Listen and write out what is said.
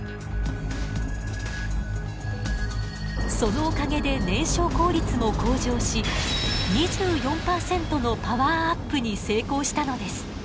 そのおかげで燃焼効率も向上し２４％のパワーアップに成功したのです。